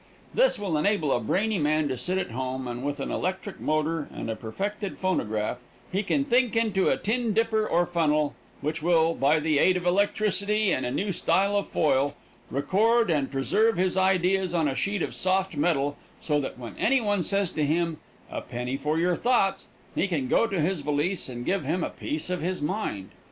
This will enable a brainy man to sit at home, and, with an electric motor and a perfected phonograph, he can think into a tin dipper or funnel, which will, by the aid of electricity and a new style of foil, record and preserve his ideas on a sheet of soft metal, so that when any one says to him, "A penny for your thoughts," he can go to his valise and give him a piece of his mind.